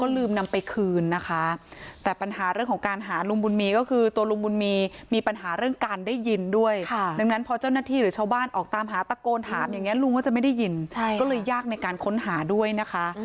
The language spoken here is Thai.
ลืมนำไปคืนนะคะแต่ปัญหาเรื่องของการหาลุงบุญมีก็คือตัวลุงบุญมีมีปัญหาเรื่องการได้ยินด้วยดังนั้นพอเจ้าหน้าที่หรือชาวบ้านออกตามหาตะโกนถามอย่างนี้ลุงก็จะไม่ได้ยินใช่ก็เลยยากในการค้นหาด้วยนะคะ